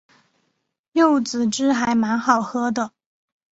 柚子汁还蛮好喝的